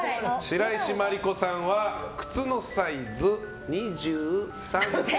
白石さんは靴のサイズ、２３．５。